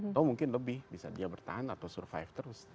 atau mungkin lebih bisa dia bertahan atau survive terus